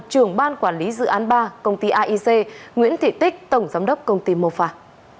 trưởng ban quản lý dự án ba công ty aic nguyễn thị tích tổng giám đốc công ty mô phạc